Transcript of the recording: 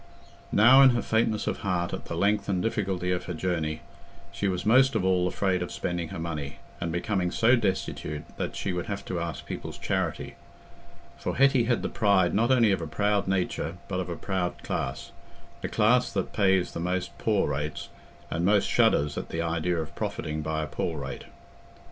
Now in her faintness of heart at the length and difficulty of her journey, she was most of all afraid of spending her money, and becoming so destitute that she would have to ask people's charity; for Hetty had the pride not only of a proud nature but of a proud class—the class that pays the most poor rates, and most shudders at the idea of profiting by a poor rate.